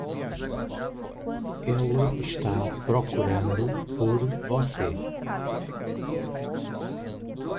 Ele está procurando por você.